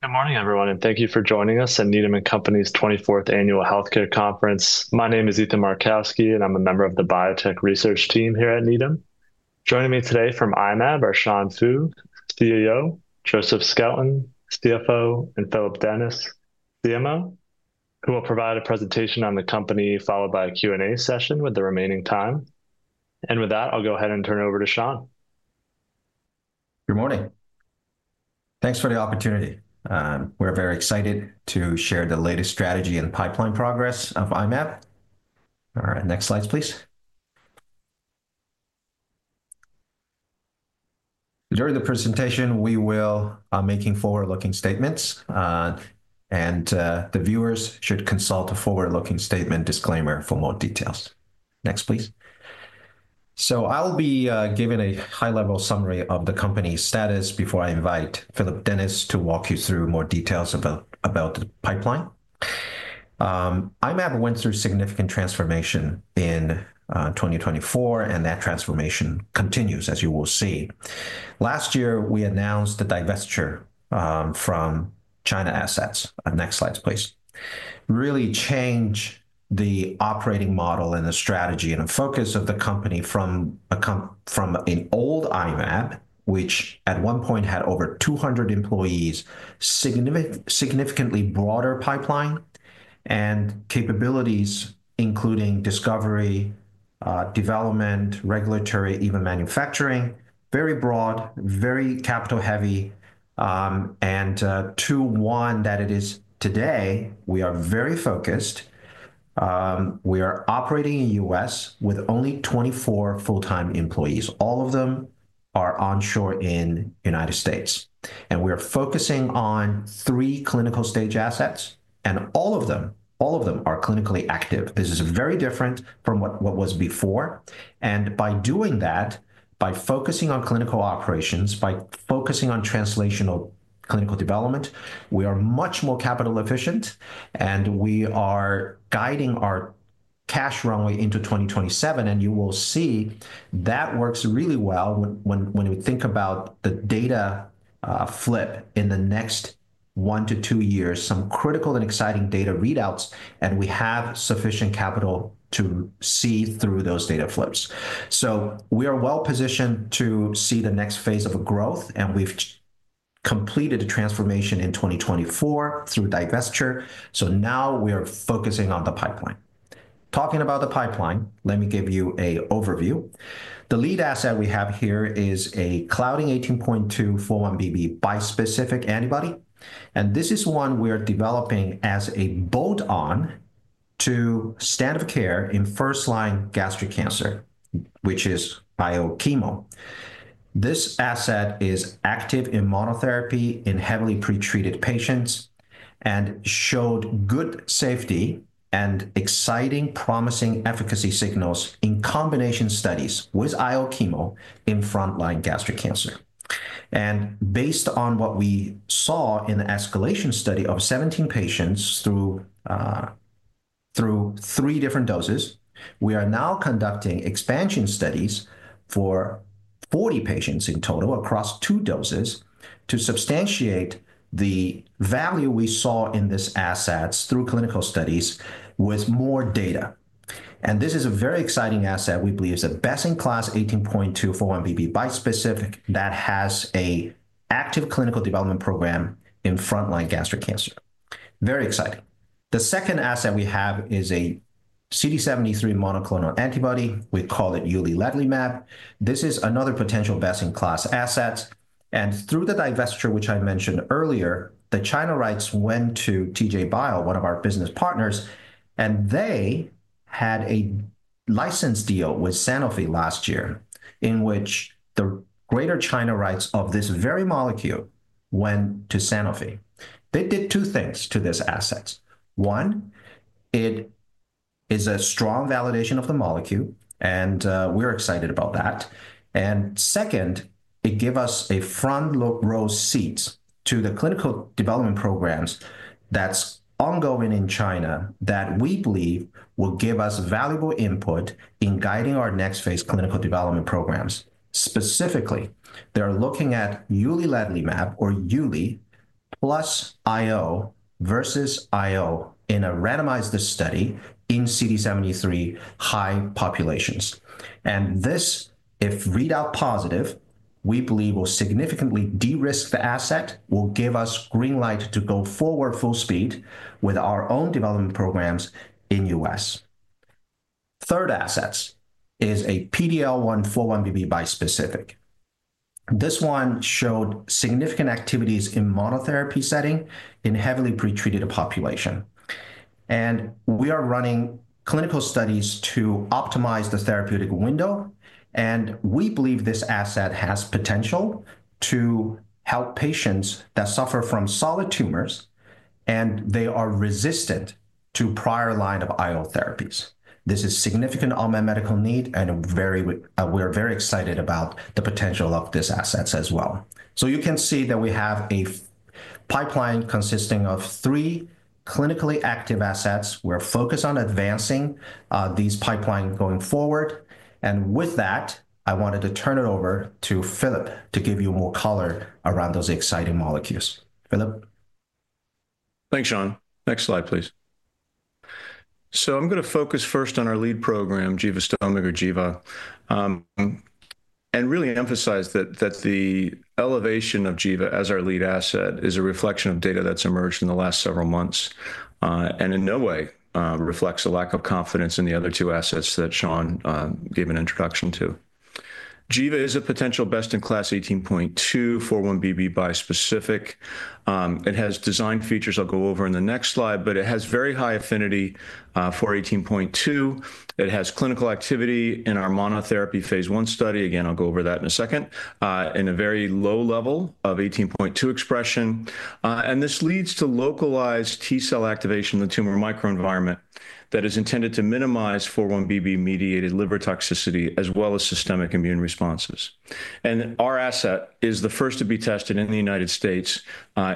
Good morning, everyone, and thank you for joining us at Needham & Company's 24th Annual Healthcare Conference. My name is Ethan Markowski, and I'm a member of the biotech research team here at Needham. Joining me today from I-Mab are Sean Fu, CEO; Joseph Skelton, CFO; and Phillip Dennis, CMO, who will provide a presentation on the company, followed by a Q&A session with the remaining time. I'll go ahead and turn it over to Sean. Good morning. Thanks for the opportunity. We're very excited to share the latest strategy and pipeline progress of I-Mab. All right, next slides, please. During the presentation, we will be making forward-looking statements, and the viewers should consult a forward-looking statement disclaimer for more details. Next, please. I'll be giving a high-level summary of the company's status before I invite Phillip Dennis to walk you through more details about the pipeline. I-Mab went through significant transformation in 2024, and that transformation continues, as you will see. Last year, we announced the divestiture from China assets. Next slides, please. Really changed the operating model and the strategy and the focus of the company from an old I-Mab, which at one point had over 200 employees, significantly broader pipeline and capabilities, including discovery, development, regulatory, even manufacturing. Very broad, very capital-heavy. To one that it is today, we are very focused. We are operating in the U.S. with only 24 full-time employees. All of them are onshore in the United States. We are focusing on three clinical stage assets, and all of them are clinically active. This is very different from what was before. By doing that, by focusing on clinical operations, by focusing on translational clinical development, we are much more capital-efficient, and we are guiding our cash runway into 2027. You will see that works really well when we think about the data flip in the next one to two years, some critical and exciting data readouts, and we have sufficient capital to see through those data flips. We are well-positioned to see the next phase of growth, and we've completed the transformation in 2024 through divestiture. Now we are focusing on the pipeline. Talking about the pipeline, let me give you an overview. The lead asset we have here is a Claudin18.2 4-1BB bispecific antibody. This is one we are developing as a bolt-on to standard of care in first-line gastric cancer, which is biochemo. This asset is active in monotherapy in heavily pretreated patients and showed good safety and exciting, promising efficacy signals in combination studies with IO chemo in front-line gastric cancer. Based on what we saw in the escalation study of 17 patients through three different doses, we are now conducting expansion studies for 40 patients in total across two doses to substantiate the value we saw in this asset through clinical studies with more data. This is a very exciting asset. We believe it's a best-in-class 18.2 4-1BB bispecific that has an active clinical development program in front-line gastric cancer. Very exciting. The second asset we have is a CD73 monoclonal antibody. We call it uliledlimab. This is another potential best-in-class asset. Through the divestiture, which I mentioned earlier, the China rights went to TJ Therapeutics, one of our business partners, and they had a license deal with Sanofi last year in which the greater China rights of this very molecule went to Sanofi. They did two things to this asset. One, it is a strong validation of the molecule, and we're excited about that. Second, it gave us a front-row seat to the clinical development programs that's ongoing in China that we believe will give us valuable input in guiding our next phase clinical development programs. Specifically, they're looking at uliledlimab, or Uli, plus IO versus IO in a randomized study in CD73 high populations. If readout positive, we believe this will significantly de-risk the asset, will give us green light to go forward full speed with our own development programs in the U.S. Third asset is a PD-L1 4-1BB bispecific. This one showed significant activities in monotherapy setting in heavily pretreated population. We are running clinical studies to optimize the therapeutic window, and we believe this asset has potential to help patients that suffer from solid tumors, and they are resistant to prior line of IO therapies. This is significant on my medical need, and we're very excited about the potential of this asset as well. You can see that we have a pipeline consisting of three clinically active assets. We're focused on advancing these pipelines going forward. With that, I wanted to turn it over to Phillip to give you more color around those exciting molecules. Phillip. Thanks, Sean. Next slide, please. I'm going to focus first on our lead program, givastomig, or Giva, and really emphasize that the elevation of Giva as our lead asset is a reflection of data that's emerged in the last several months and in no way reflects a lack of confidence in the other two assets that Sean gave an introduction to. Giva is a potential best-in-class 18.2 x 4-1BB bispecific. It has design features I'll go over in the next slide, but it has very high affinity for 18.2. It has clinical activity in our monotherapy phase I study. Again, I'll go over that in a second, in a very low level of 18.2 expression. This leads to localized T-cell activation in the tumor microenvironment that is intended to minimize 4-1BB-mediated liver toxicity as well as systemic immune responses. Our asset is the first to be tested in the United States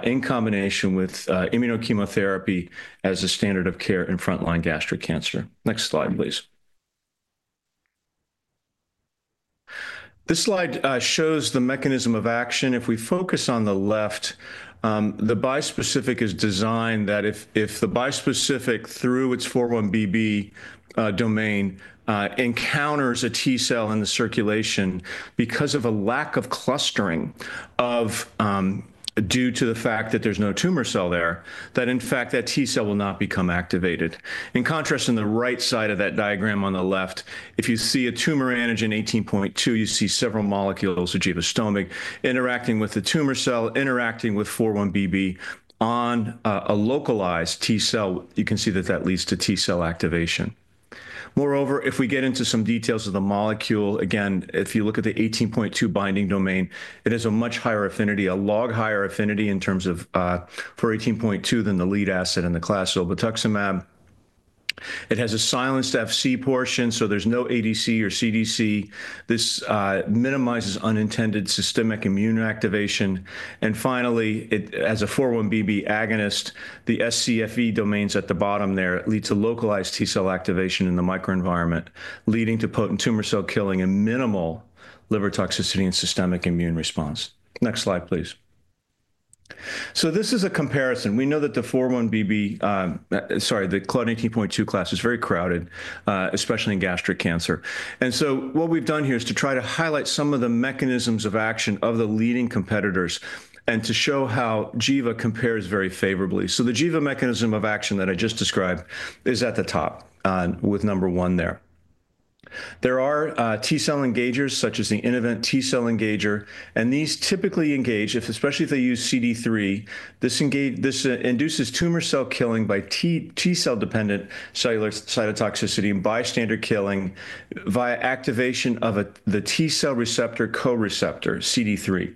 in combination with immunochemotherapy as a standard of care in front-line gastric cancer. Next slide, please. This slide shows the mechanism of action. If we focus on the left, the bispecific is designed that if the bispecific through its 4-1BB domain encounters a T-cell in the circulation because of a lack of clustering due to the fact that there's no tumor cell there, that in fact, that T-cell will not become activated. In contrast, on the right side of that diagram on the left, if you see a tumor antigen 18.2, you see several molecules of givastomig interacting with the tumor cell, interacting with 4-1BB on a localized T-cell. You can see that that leads to T-cell activation. Moreover, if we get into some details of the molecule, again, if you look at the 18.2 binding domain, it has a much higher affinity, a log higher affinity in terms of for 18.2 than the lead asset in the class, Zolbetuximab. It has a silenced Fc portion, so there's no ADC or CDC. This minimizes unintended systemic immune activation. Finally, as a 4-1BB agonist, the scFv domains at the bottom there lead to localized T-cell activation in the microenvironment, leading to potent tumor cell killing and minimal liver toxicity and systemic immune response. Next slide, please. This is a comparison. We know that the 4-1BB, sorry, the Claudin18.2 class is very crowded, especially in gastric cancer. What we've done here is to try to highlight some of the mechanisms of action of the leading competitors and to show how Giva compares very favorably. The Giva mechanism of action that I just described is at the top with number one there. There are T-cell engagers such as the Innovent T-cell engager, and these typically engage, especially if they use CD3. This induces tumor cell killing by T-cell-dependent cellular cytotoxicity and bystander killing via activation of the T-cell receptor co-receptor, CD3.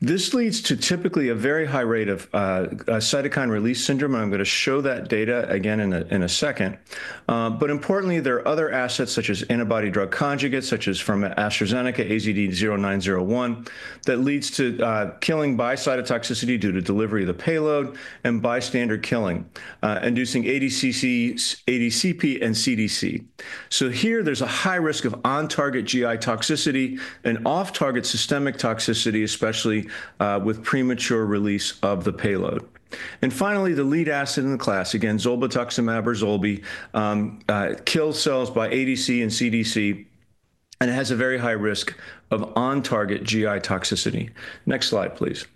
This leads to typically a very high rate of cytokine release syndrome, and I'm going to show that data again in a second. Importantly, there are other assets such as antibody-drug conjugates, such as from AstraZeneca, AZD0901, that leads to killing by cytotoxicity due to delivery of the payload and bystander killing, inducing ADCP and CDC. Here, there's a high risk of on-target GI toxicity and off-target systemic toxicity, especially with premature release of the payload. Finally, the lead asset in the class, again, Zolbetuximab or Zolbi, kills cells by ADC and CDC, and it has a very high risk of on-target GI toxicity. Next slide, please.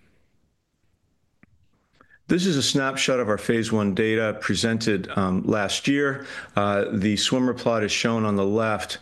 This is a snapshot of our phase I data presented last year. The swimmer plot is shown on the left.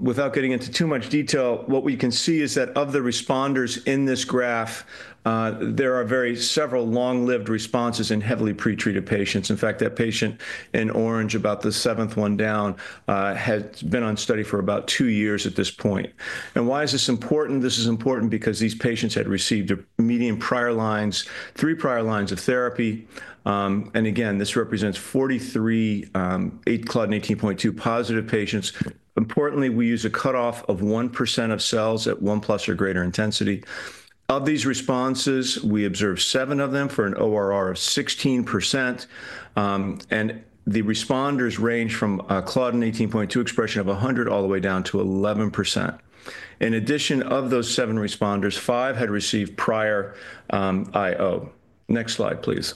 Without getting into too much detail, what we can see is that of the responders in this graph, there are several long-lived responses in heavily pretreated patients. In fact, that patient in orange, about the seventh one down, has been on study for about two years at this point. Why is this important? This is important because these patients had received a median prior lines, three prior lines of therapy. This represents 43 Claudin18.2 positive patients. Importantly, we use a cutoff of 1% of cells at 1 plus or greater intensity. Of these responses, we observed seven of them for an ORR of 16%. The responders range from Claudin18.2 expression of 100 all the way down to 11%. In addition, of those seven responders, five had received prior IO. Next slide, please.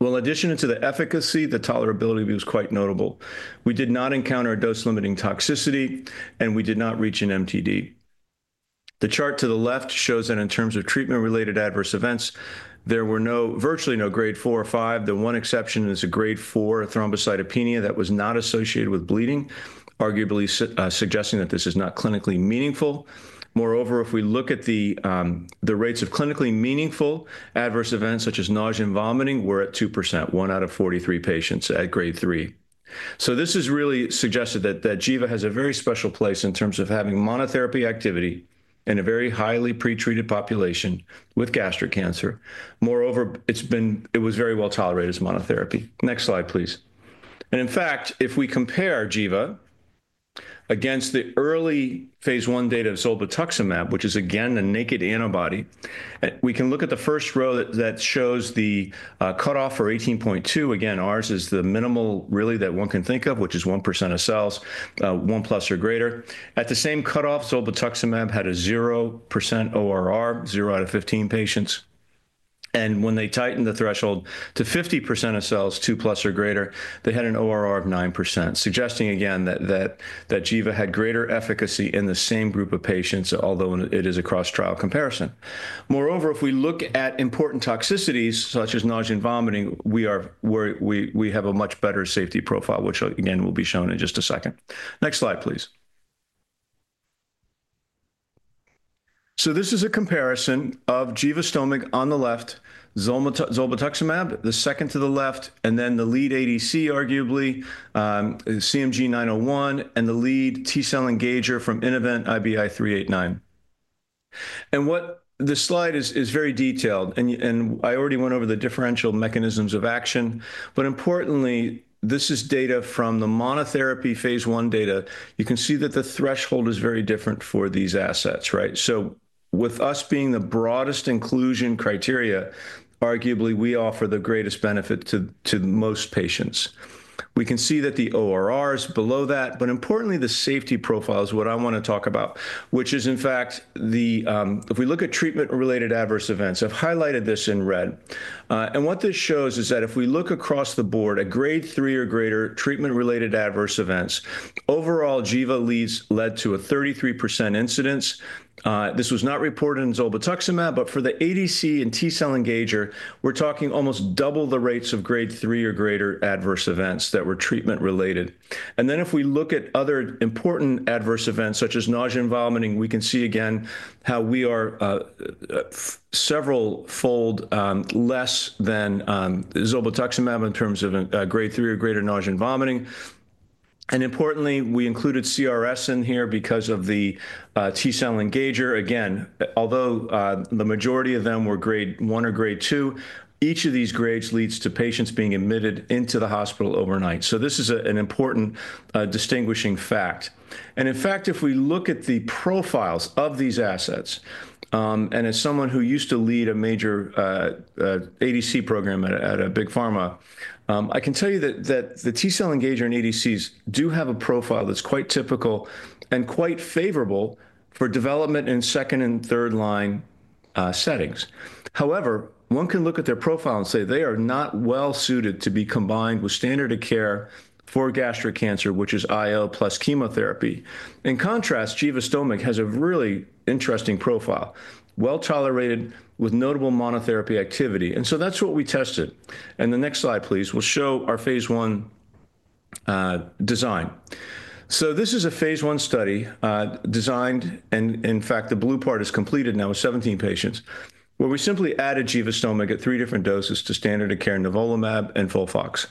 In addition to the efficacy, the tolerability was quite notable. We did not encounter a dose-limiting toxicity, and we did not reach an MTD. The chart to the left shows that in terms of treatment-related adverse events, there were virtually no grade four or five. The one exception is a grade four thrombocytopenia that was not associated with bleeding, arguably suggesting that this is not clinically meaningful. Moreover, if we look at the rates of clinically meaningful adverse events such as nausea and vomiting, we are at 2%, one out of 43 patients at grade three. This has really suggested that Giva has a very special place in terms of having monotherapy activity in a very highly pretreated population with gastric cancer. Moreover, it was very well tolerated as monotherapy. Next slide, please. In fact, if we compare Giva against the early phase I data of Zolbetuximab, which is again a naked antibody, we can look at the first row that shows the cutoff for 18.2. Again, ours is the minimal really that one can think of, which is 1% of cells, one plus or greater. At the same cutoff, Zolbetuximab had a 0% ORR, 0 out of 15 patients. When they tightened the threshold to 50% of cells, two plus or greater, they had an ORR of 9%, suggesting again that Giva had greater efficacy in the same group of patients, although it is a cross-trial comparison. Moreover, if we look at important toxicities such as nausea and vomiting, we have a much better safety profile, which again will be shown in just a second. Next slide, please. This is a comparison of givastomig on the left, zolbetuximab, the second to the left, and then the lead ADC, arguably, CMG901, and the lead T-cell engager from Innovent IBI389. This slide is very detailed, and I already went over the differential mechanisms of action. Importantly, this is data from the monotherapy phase I data. You can see that the threshold is very different for these assets, right? With us being the broadest inclusion criteria, arguably we offer the greatest benefit to most patients. We can see that the ORR is below that, but importantly, the safety profile is what I want to talk about, which is in fact the, if we look at treatment-related adverse events, I've highlighted this in red. What this shows is that if we look across the board at grade three or greater treatment-related adverse events, overall Givastomig led to a 33% incidence. This was not reported in Zolbetuximab, but for the ADC and T-cell engager, we're talking almost double the rates of grade three or greater adverse events that were treatment-related. If we look at other important adverse events such as nausea and vomiting, we can see again how we are several fold less than Zolbetuximab in terms of grade three or greater nausea and vomiting. Importantly, we included CRS in here because of the T-cell engager. Again, although the majority of them were grade one or grade two, each of these grades leads to patients being admitted into the hospital overnight. This is an important distinguishing fact. In fact, if we look at the profiles of these assets, and as someone who used to lead a major ADC program at a big pharma, I can tell you that the T-cell engager and ADCs do have a profile that's quite typical and quite favorable for development in second and third line settings. However, one can look at their profile and say they are not well suited to be combined with standard of care for gastric cancer, which is IO plus chemotherapy. In contrast, givastomig has a really interesting profile, well tolerated with notable monotherapy activity. That is what we tested. The next slide, please, will show our phase I design. This is a phase I study designed, and in fact, the blue part is completed now with 17 patients where we simply added givastomig at three different doses to standard of care nivolumab and FOLFOX.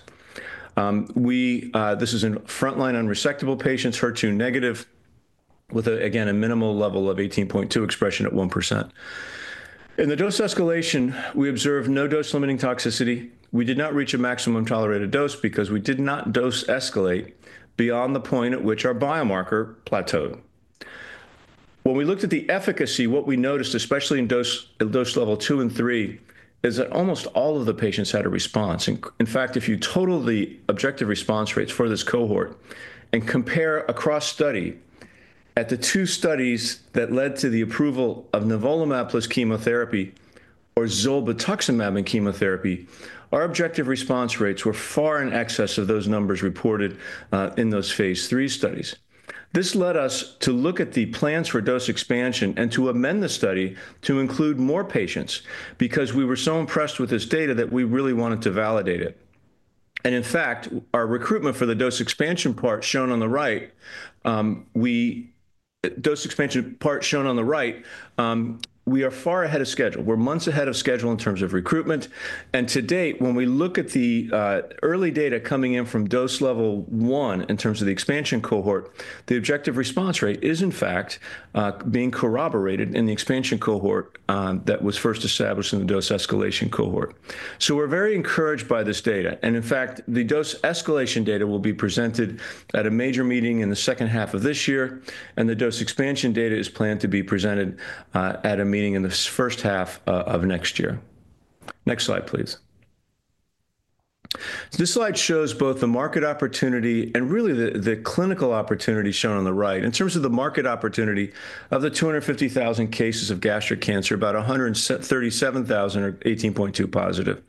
This is in front-line unresectable patients, HER2 negative, with again a minimal level of 18.2 expression at 1%. In the dose escalation, we observed no dose-limiting toxicity. We did not reach a maximum tolerated dose because we did not dose escalate beyond the point at which our biomarker plateaued. When we looked at the efficacy, what we noticed, especially in dose level two and three, is that almost all of the patients had a response. In fact, if you total the objective response rates for this cohort and compare across study, at the two studies that led to the approval of Nivolumab plus chemotherapy or Zolbetuximab and chemotherapy, our objective response rates were far in excess of those numbers reported in those phase three studies. This led us to look at the plans for dose expansion and to amend the study to include more patients because we were so impressed with this data that we really wanted to validate it. In fact, our recruitment for the dose expansion part shown on the right, dose expansion part shown on the right, we are far ahead of schedule. We're months ahead of schedule in terms of recruitment. To date, when we look at the early data coming in from dose level one in terms of the expansion cohort, the objective response rate is in fact being corroborated in the expansion cohort that was first established in the dose escalation cohort. We are very encouraged by this data. In fact, the dose escalation data will be presented at a major meeting in the second half of this year, and the dose expansion data is planned to be presented at a meeting in the first half of next year. Next slide, please. This slide shows both the market opportunity and really the clinical opportunity shown on the right. In terms of the market opportunity of the 250,000 cases of gastric cancer, about 137,000 are 18.2 positive.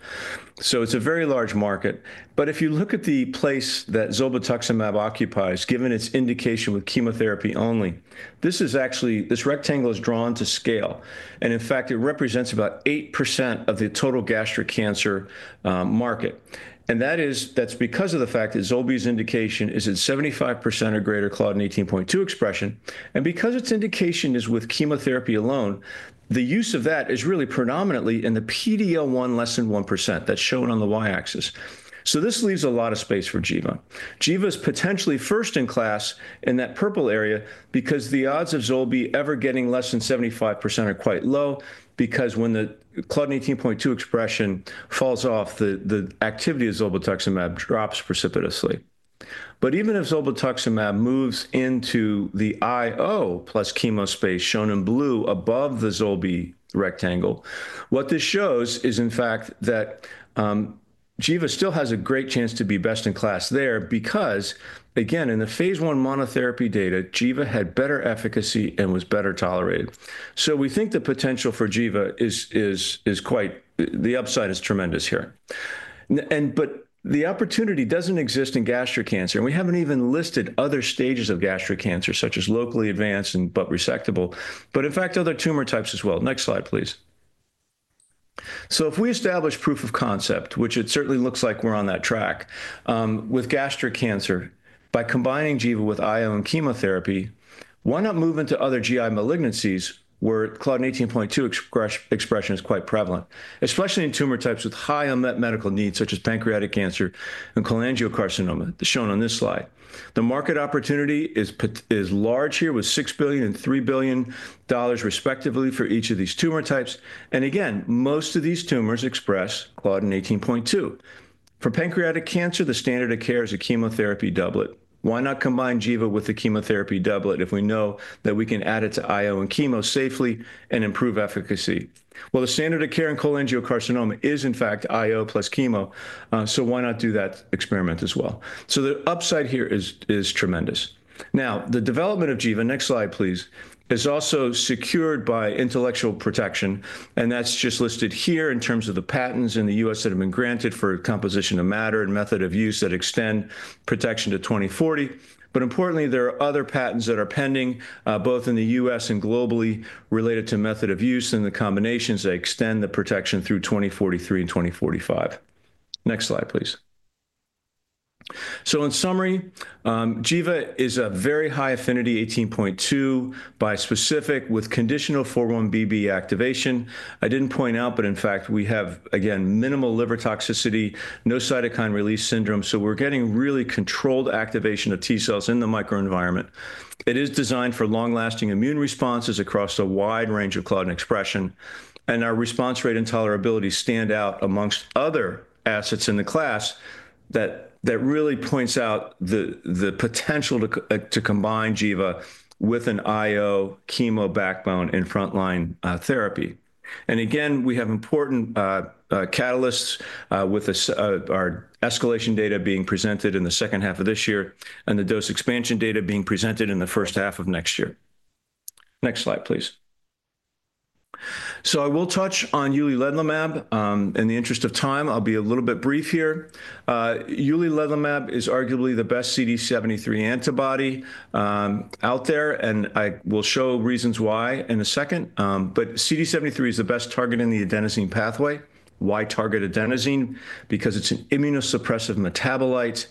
It is a very large market. If you look at the place that Zolbetuximab occupies, given its indication with chemotherapy only, this rectangle is drawn to scale. In fact, it represents about 8% of the total gastric cancer market. That is because of the fact that Zolbi's indication is at 75% or greater Claudin18.2 expression. Because its indication is with chemotherapy alone, the use of that is really predominantly in the PD-L1 less than 1% that is shown on the y-axis. This leaves a lot of space for Giva. Giva is potentially first in class in that purple area because the odds of Zolbi ever getting less than 75% are quite low because when the Claudin18.2 expression falls off, the activity of Zolbetuximab drops precipitously. Even if Zolbetuximab moves into the IO plus chemo space shown in blue above the Zolbi rectangle, what this shows is in fact that Giva still has a great chance to be best in class there because, again, in the phase I monotherapy data, Giva had better efficacy and was better tolerated. We think the potential for Giva is quite the upside is tremendous here. The opportunity does not exist in gastric cancer. We have not even listed other stages of gastric cancer, such as locally advanced but resectable, but in fact, other tumor types as well. Next slide, please. If we establish proof of concept, which it certainly looks like we're on that track with gastric cancer, by combining Giva with IO and chemotherapy, why not move into other GI malignancies where Claudin18.2 expression is quite prevalent, especially in tumor types with high unmet medical needs, such as pancreatic cancer and cholangiocarcinoma shown on this slide. The market opportunity is large here with $6 billion and $3 billion respectively for each of these tumor types. Again, most of these tumors express Claudin18.2. For pancreatic cancer, the standard of care is a chemotherapy doublet. Why not combine Giva with the chemotherapy doublet if we know that we can add it to IO and chemo safely and improve efficacy? The standard of care in cholangiocarcinoma is in fact IO plus chemo, so why not do that experiment as well? The upside here is tremendous. Now, the development of Giva, next slide, please, is also secured by intellectual protection, and that's just listed here in terms of the patents in the U.S. that have been granted for composition of matter and method of use that extend protection to 2040. Importantly, there are other patents that are pending, both in the U.S. and globally, related to method of use and the combinations that extend the protection through 2043 and 2045. Next slide, please. In summary, Giva is a very high affinity 18.2 bispecific with conditional 4-1BB activation. I didn't point out, but in fact, we have again minimal liver toxicity, no cytokine release syndrome, so we're getting really controlled activation of T-cells in the microenvironment. It is designed for long-lasting immune responses across a wide range of Claudin18.2 expression, and our response rate and tolerability stand out amongst other assets in the class that really points out the potential to combine givastomig with an IO chemo backbone in front-line therapy. We have important catalysts with our escalation data being presented in the second half of this year and the dose expansion data being presented in the first half of next year. Next slide, please. I will touch on uliledlimab. In the interest of time, I'll be a little bit brief here. Uliledlimab is arguably the best CD73 antibody out there, and I will show reasons why in a second. CD73 is the best target in the adenosine pathway. Why target adenosine? Because it's an immunosuppressive metabolite.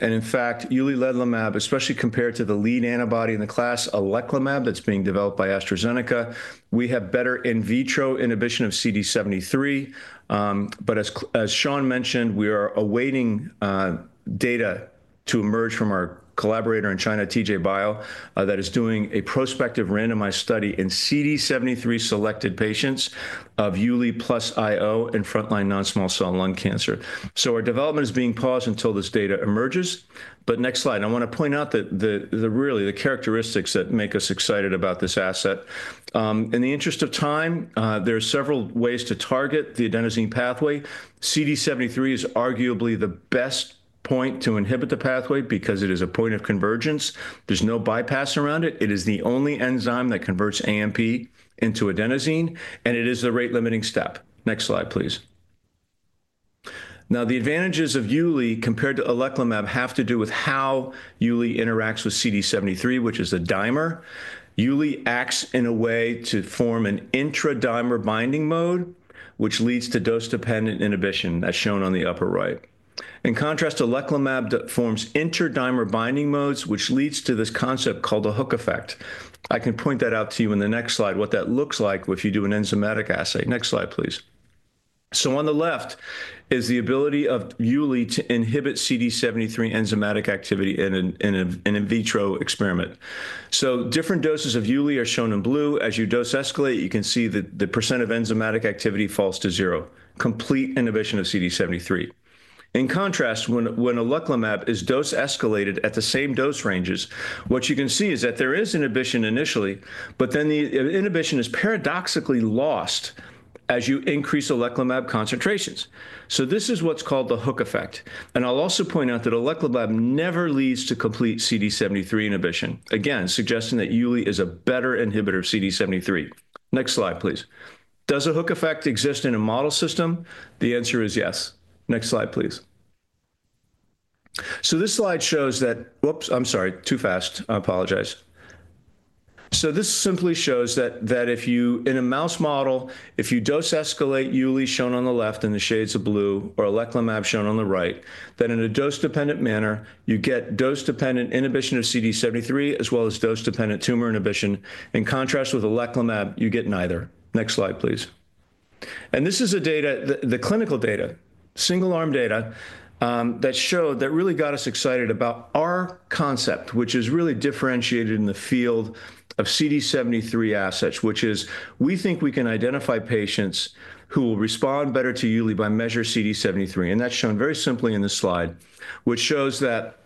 In fact, uliledlimab, especially compared to the lead antibody in the class, oleclumab, that's being developed by AstraZeneca, we have better in vitro inhibition of CD73. As Sean mentioned, we are awaiting data to emerge from our collaborator in China, TJ Therapeutics, that is doing a prospective randomized study in CD73-selected patients of uliledlimab plus IO in front-line non-small cell lung cancer. Our development is being paused until this data emerges. Next slide, I want to point out that really the characteristics that make us excited about this asset. In the interest of time, there are several ways to target the adenosine pathway. CD73 is arguably the best point to inhibit the pathway because it is a point of convergence. There's no bypass around it. It is the only enzyme that converts AMP into adenosine, and it is the rate-limiting step. Next slide, please. Now, the advantages of uliledlimab compared to oleclumab have to do with how uliledlimab interacts with CD73, which is a dimer. Uliledlimab acts in a way to form an intradimer binding mode, which leads to dose-dependent inhibition, as shown on the upper right. In contrast, oleclumab forms interdimer binding modes, which leads to this concept called the hook effect. I can point that out to you in the next slide, what that looks like if you do an enzymatic assay. Next slide, please. On the left is the ability of uliledlimab to inhibit CD73 enzymatic activity in an in vitro experiment. Different doses of uliledlimab are shown in blue. As you dose escalate, you can see that the % of enzymatic activity falls to zero, complete inhibition of CD73. In contrast, when oleclumab is dose escalated at the same dose ranges, what you can see is that there is inhibition initially, but then the inhibition is paradoxically lost as you increase oleclumab concentrations. This is what's called the hook effect. I'll also point out that oleclumab never leads to complete CD73 inhibition, again, suggesting that uliledlimab is a better inhibitor of CD73. Next slide, please. Does a hook effect exist in a model system? The answer is yes. Next slide, please. This slide shows that, whoops, I'm sorry, too fast. I apologize. This simply shows that if you, in a mouse model, if you dose escalate uliledlimab shown on the left in the shades of blue or oleclumab shown on the right, then in a dose-dependent manner, you get dose-dependent inhibition of CD73 as well as dose-dependent tumor inhibition. In contrast with oleclumab, you get neither. Next slide, please. This is the clinical data, single-arm data that showed that really got us excited about our concept, which is really differentiated in the field of CD73 assets, which is we think we can identify patients who will respond better to Uli by measure CD73. That's shown very simply in this slide, which shows that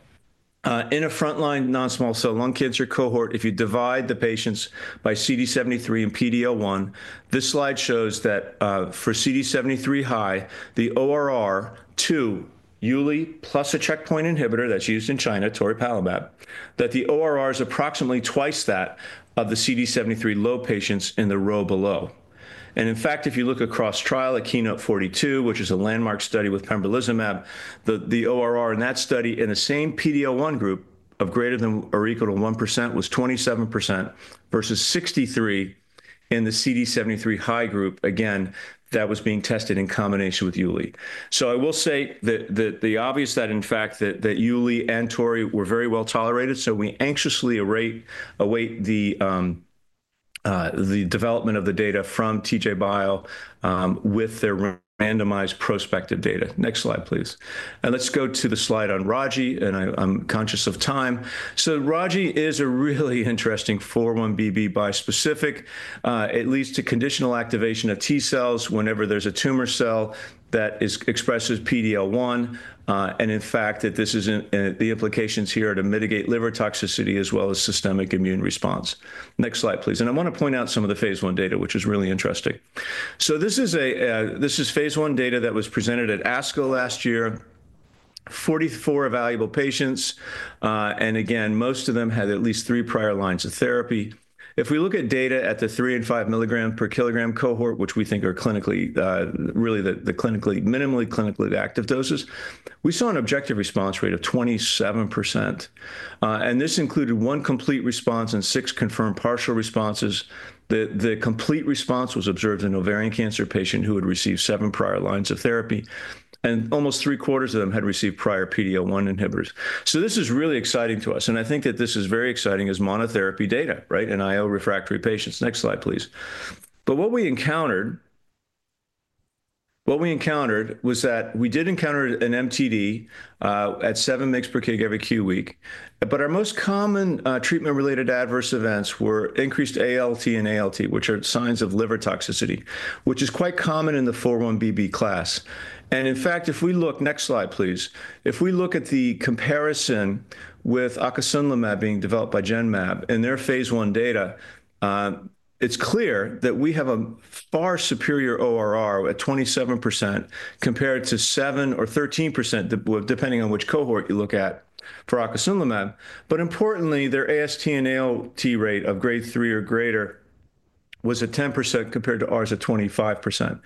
in a front-line non-small cell lung cancer cohort, if you divide the patients by CD73 and PD-L1, this slide shows that for CD73 high, the ORR to Uli plus a checkpoint inhibitor that's used in China, toripalimab, that the ORR is approximately twice that of the CD73 low patients in the row below. In fact, if you look across trial at KEYNOTE-042, which is a landmark study with pembrolizumab, the ORR in that study in the same PD-L1 group of greater than or equal to 1% was 27% versus 63% in the CD73 high group. Again, that was being tested in combination with Yuli. I will say the obvious that in fact Yuli and Tori were very well tolerated, so we anxiously await the development of the data from TJ Bio with their randomized prospective data. Next slide, please. Let's go to the slide on Ragi, and I'm conscious of time. Ragi is a really interesting 4-1BB bispecific. It leads to conditional activation of T-cells whenever there's a tumor cell that expresses PD-L1, and in fact this is the implication here to mitigate liver toxicity as well as systemic immune response. Next slide, please. I want to point out some of the phase I data, which is really interesting. This is phase I data that was presented at ASCO last year, 44 evaluable patients, and again, most of them had at least three prior lines of therapy. If we look at data at the three and five milligram per kilogram cohort, which we think are really the minimally clinically active doses, we saw an objective response rate of 27%. This included one complete response and six confirmed partial responses. The complete response was observed in an ovarian cancer patient who had received seven prior lines of therapy, and almost three quarters of them had received prior PD-L1 inhibitors. This is really exciting to us, and I think that this is very exciting as monotherapy data, right, in IO refractory patients. Next slide, please. What we encountered was that we did encounter an MTD at 7 mg per kg every Q week, but our most common treatment-related adverse events were increased AST and ALT, which are signs of liver toxicity, which is quite common in the 4-1BB class. In fact, if we look, next slide, please, if we look at the comparison with acasunlimab being developed by Genmab in their phase I data, it is clear that we have a far superior ORR at 27% compared to 7% or 13% depending on which cohort you look at for acasunlimab. Importantly, their AST and ALT rate of grade three or greater was at 10% compared to ours at 25%.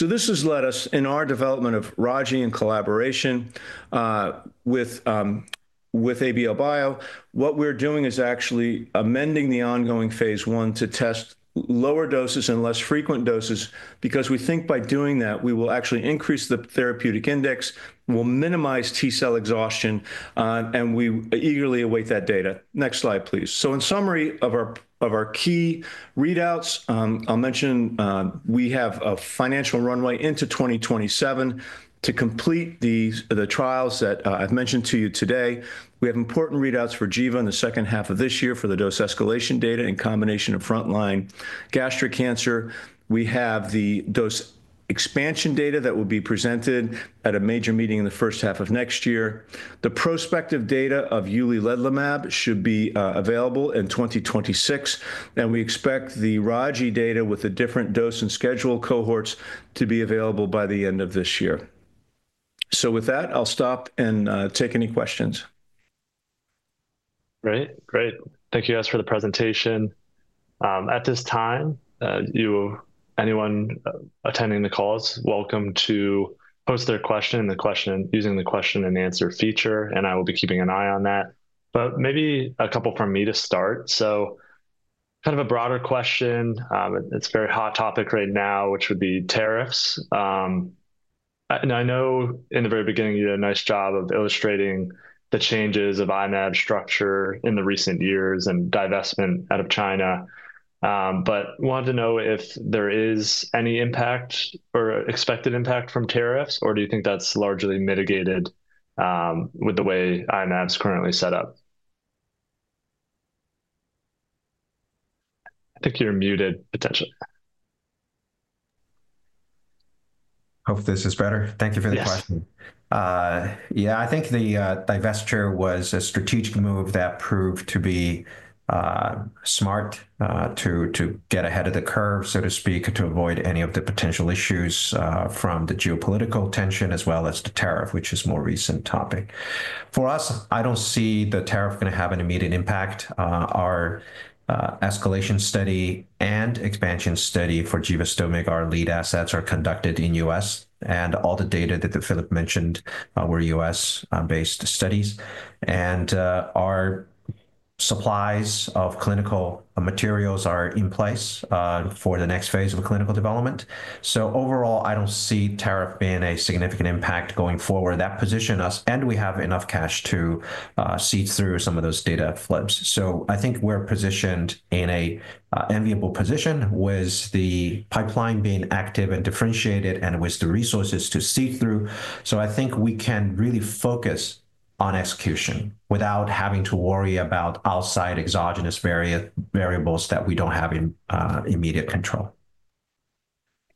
This has led us in our development of Raji and collaboration with ABL Bio, what we're doing is actually amending the ongoing phase I to test lower doses and less frequent doses because we think by doing that, we will actually increase the therapeutic index, will minimize T-cell exhaustion, and we eagerly await that data. Next slide, please. In summary of our key readouts, I'll mention we have a financial runway into 2027 to complete the trials that I've mentioned to you today. We have important readouts for Giva in the second half of this year for the dose escalation data in combination of front-line gastric cancer. We have the dose expansion data that will be presented at a major meeting in the first half of next year. The prospective data of uliledlimab should be available in 2026, and we expect the ragistomig data with the different dose and schedule cohorts to be available by the end of this year. With that, I'll stop and take any questions. Great. Great. Thank you, guys, for the presentation. At this time, anyone attending the call is welcome to post their question using the question and answer feature, and I will be keeping an eye on that. Maybe a couple from me to start. Kind of a broader question, it's a very hot topic right now, which would be tariffs. I know in the very beginning, you did a nice job of illustrating the changes of I-Mab structure in the recent years and divestment out of China, but wanted to know if there is any impact or expected impact from tariffs, or do you think that's largely mitigated with I-Mab is currently set up? I think you're muted, potentially. Hope this is better. Thank you for the question. Yes. Yeah, I think the divestiture was a strategic move that proved to be smart to get ahead of the curve, so to speak, and to avoid any of the potential issues from the geopolitical tension as well as the tariff, which is a more recent topic. For us, I don't see the tariff going to have an immediate impact. Our escalation study and expansion study for givastomig, our lead assets, are conducted in the U.S., and all the data that Phillip mentioned were U.S.-based studies. Our supplies of clinical materials are in place for the next phase of clinical development. Overall, I don't see tariff being a significant impact going forward. That positions us, and we have enough cash to see through some of those data flips. I think we're positioned in an enviable position with the pipeline being active and differentiated and with the resources to see through. I think we can really focus on execution without having to worry about outside exogenous variables that we don't have immediate control.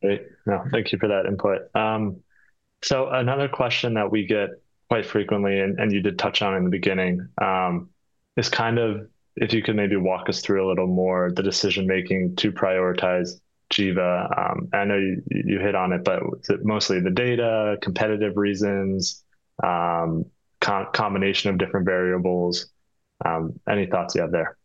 Great. No, thank you for that input. Another question that we get quite frequently, and you did touch on in the beginning, is kind of if you could maybe walk us through a little more the decision-making to prioritize Givastomig. I know you hit on it, but is it mostly the data, competitive reasons, combination of different variables? Any thoughts you have there?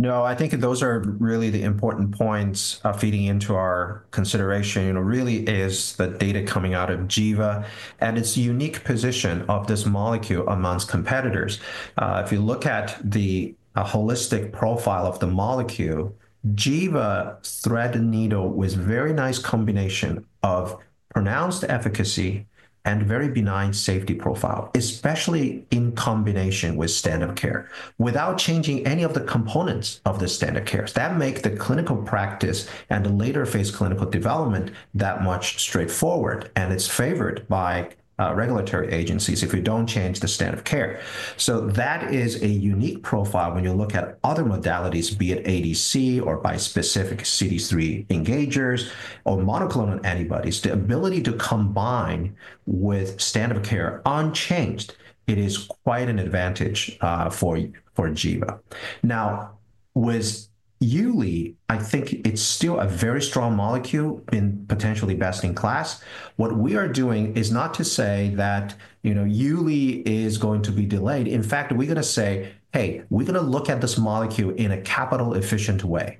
No, I think those are really the important points feeding into our consideration. It really is the data coming out of Giva, and it's a unique position of this molecule amongst competitors. If you look at the holistic profile of the molecule, Giva threaded needle with a very nice combination of pronounced efficacy and very benign safety profile, especially in combination with standard care without changing any of the components of the standard care. That makes the clinical practice and the later phase clinical development that much straightforward, and it's favored by regulatory agencies if you don't change the standard care. That is a unique profile when you look at other modalities, be it ADC or bispecific CD3 engagers or monoclonal antibodies. The ability to combine with standard care unchanged, it is quite an advantage for Giva. Now, with Yuli, I think it's still a very strong molecule and potentially best in class. What we are doing is not to say that Yuli is going to be delayed. In fact, we're going to say, "Hey, we're going to look at this molecule in a capital-efficient way."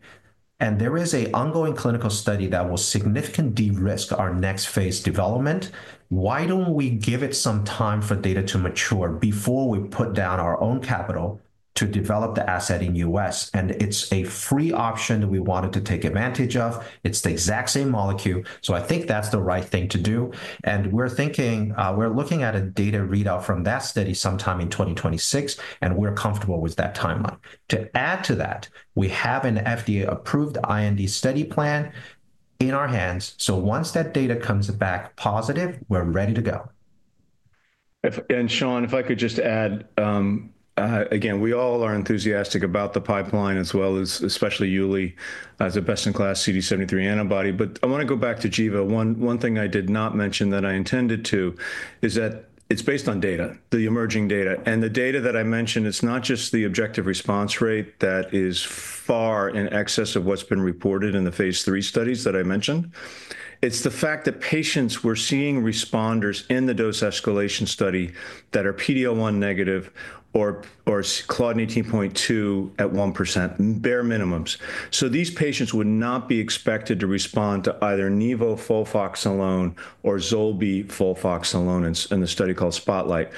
There is an ongoing clinical study that will significantly de-risk our next phase development. Why don't we give it some time for data to mature before we put down our own capital to develop the asset in the U.S.? It's a free option that we wanted to take advantage of. It's the exact same molecule. I think that's the right thing to do. We're looking at a data readout from that study sometime in 2026, and we're comfortable with that timeline. To add to that, we have an FDA-approved IND study plan in our hands. Once that data comes back positive, we're ready to go. Sean, if I could just add, again, we all are enthusiastic about the pipeline as well as especially Yuli as a best-in-class CD73 antibody. I want to go back to Giva. One thing I did not mention that I intended to is that it's based on data, the emerging data. The data that I mentioned, it's not just the objective response rate that is far in excess of what's been reported in the phase three studies that I mentioned. It's the fact that patients, we're seeing responders in the dose escalation study that are PD-L1 negative or Claudin18.2 at 1%, bare minimums. These patients would not be expected to respond to either Nivo FOLFOX alone or Zolbetuximab FOLFOX alone in the study called Spotlight.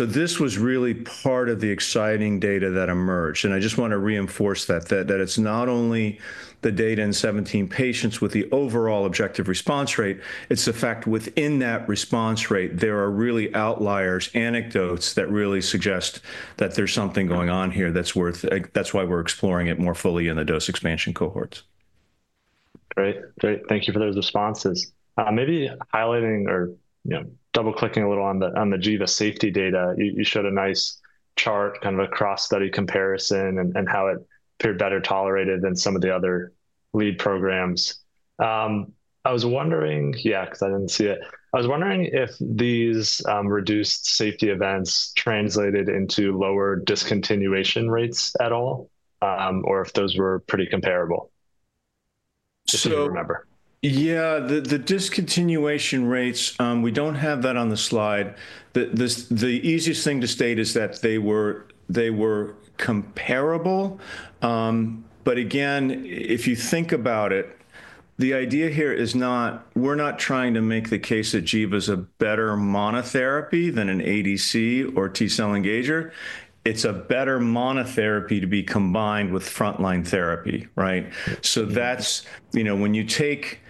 This was really part of the exciting data that emerged. I just want to reinforce that, that it's not only the data in 17 patients with the overall objective response rate, it's the fact within that response rate, there are really outliers, anecdotes that really suggest that there's something going on here that's worth, that's why we're exploring it more fully in the dose expansion cohorts. Great. Great. Thank you for those responses. Maybe highlighting or double-clicking a little on the Giva safety data, you showed a nice chart, kind of a cross-study comparison and how it appeared better tolerated than some of the other lead programs. I was wondering, yeah, because I didn't see it, I was wondering if these reduced safety events translated into lower discontinuation rates at all or if those were pretty comparable. Just if you remember. Yeah, the discontinuation rates, we don't have that on the slide. The easiest thing to state is that they were comparable. Again, if you think about it, the idea here is not, we're not trying to make the case that Giva's a better monotherapy than an ADC or T-cell engager. It's a better monotherapy to be combined with front-line therapy, right? When you take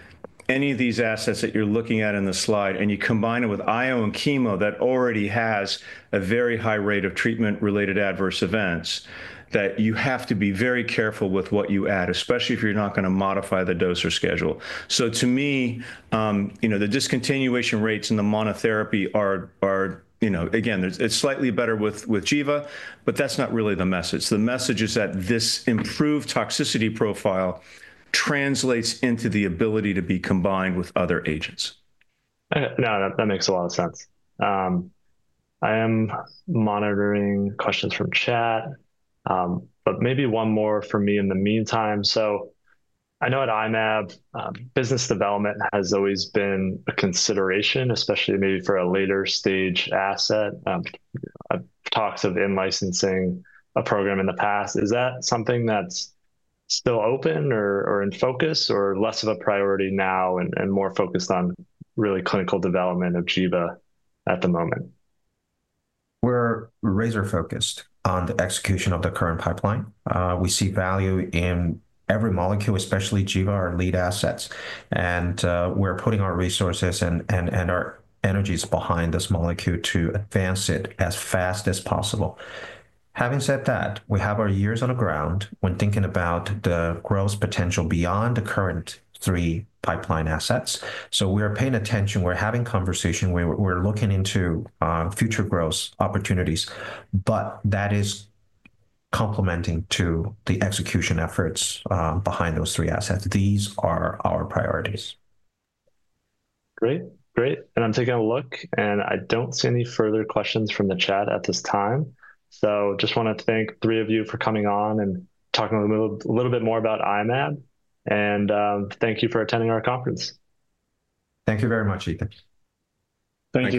any of these assets that you're looking at in the slide and you combine it with IO and chemo that already has a very high rate of treatment-related adverse events, you have to be very careful with what you add, especially if you're not going to modify the dose or schedule. To me, the discontinuation rates and the monotherapy are, again, it's slightly better with Giva, but that's not really the message. The message is that this improved toxicity profile translates into the ability to be combined with other agents. No, that makes a lot of sense. I am monitoring questions from chat, but maybe one more for me in the meantime. I know at I-Mab, business development has always been a consideration, especially maybe for a later stage asset. I have talked of in-licensing a program in the past. Is that something that is still open or in focus or less of a priority now and more focused on really clinical development of Giva at the moment? We're razor-focused on the execution of the current pipeline. We see value in every molecule, especially givastomig, our lead assets. We're putting our resources and our energies behind this molecule to advance it as fast as possible. Having said that, we have our ears on the ground when thinking about the growth potential beyond the current three pipeline assets. We are paying attention. We're having conversations. We're looking into future growth opportunities, but that is complementing the execution efforts behind those three assets. These are our priorities. Great. Great. I'm taking a look, and I don't see any further questions from the chat at this time. Just want to thank three of you for coming on and talking a little bit more about I-Mab. Thank you for attending our conference. Thank you very much, Eitan. Thank you.